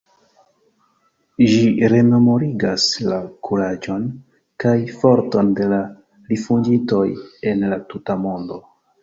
Ĝi rememorigas la kuraĝon kaj forton de la rifuĝintoj en la tuta mondo.